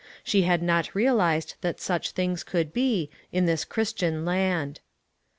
She had not realized that such things could be, in this Christian land.